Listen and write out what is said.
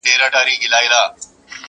نس مي موړ دی تن مي پټ دی اوښ مي بار دی.!